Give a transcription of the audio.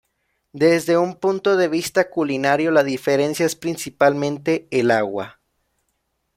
Desde un punto de vista culinario, la diferencia es principalmente el agua.